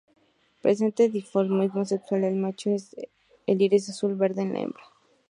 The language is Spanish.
Presenta dimorfismo sexual: En el macho el iris es azul, verde en la hembra.